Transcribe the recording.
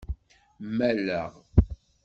Malleɣ.